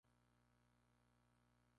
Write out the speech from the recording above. Estas migas pasa por harina y se fríen.